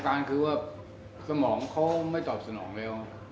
การคือว่าสมองเขาไม่ตอบสนองเร็ว